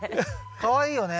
かわいいよね。